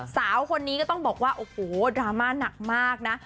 สาวคนนี้ก็ต้องบอกว่าโอ้โหดราม่าหนักมากนะ